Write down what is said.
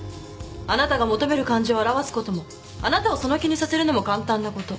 あなたが求める感情を表すこともあなたをその気にさせるのも簡単なこと。